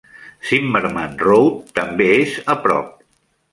Zimmerman Road també és a prop.